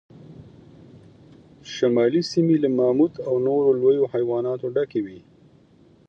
شمالي سیمې له ماموت او نورو لویو حیواناتو ډکې وې.